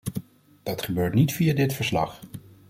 Dat gebeurt niet via dit verslag.